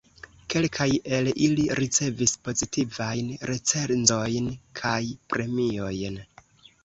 Kelkaj el ili ricevis pozitivajn recenzojn kaj premiojn.